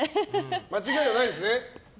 間違いないですね？